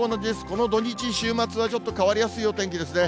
この土日、週末はちょっと変わりやすいお天気ですね。